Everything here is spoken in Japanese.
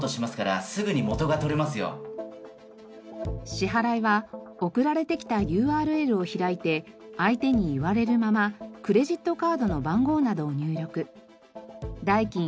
支払いは送られてきたＵＲＬを開いて相手に言われるままクレジットカードの番号などを入力。